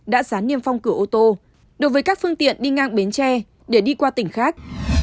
đã gián niêm phong cửa ô tô đối với các phương tiện đi ngang bến tre để đi qua tỉnh khác